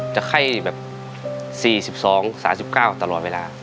จะไข้แบบสี่สิบสองสามสิบเก้าตลอดเวลา